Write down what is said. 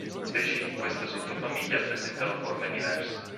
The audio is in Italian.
I pesci di questa sottofamiglia presentano forme diverse.